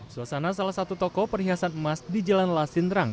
suasana salah satu toko perhiasan emas di jalan lasinterang